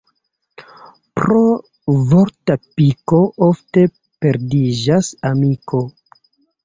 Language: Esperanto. Pro vorta piko ofte perdiĝas amiko.